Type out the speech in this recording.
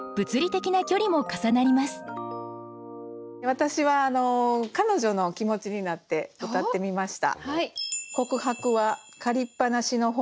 私は彼女の気持ちになってうたってみました。